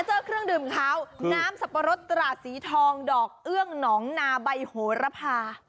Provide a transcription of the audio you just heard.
เจอเครื่องดื่มขาวน้ำสับปะรดตราดสีทองดอกเอื้องหนองนาใบโหระพา